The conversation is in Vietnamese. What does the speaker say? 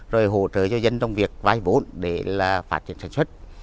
rồi hỗ trợ cho dân trong việc vai vốn để phát triển sản xuất